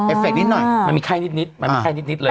เฟคนิดหน่อยมันมีไข้นิดมันมีไข้นิดเลย